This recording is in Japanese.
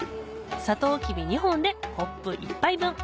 サトウキビ２本でコップ１杯分